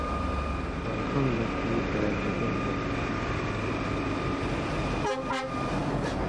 بالخؤں لا کھِن٘گی ݜیا بھېٹېل ہو تھہ۔